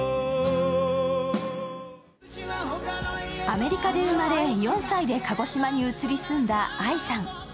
アメリカで生まれ、４歳で鹿児島に移り住んだＡＩさん。